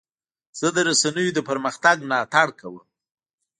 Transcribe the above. زه د رسنیو د پرمختګ ملاتړ کوم.